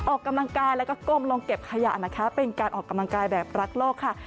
ออกกำลังกายแล้วก็ก้มลงเก็บขยะนะคะเป็นการออกกำลังกายแบบรักโลกค่ะ